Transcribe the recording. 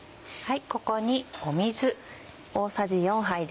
ここに水。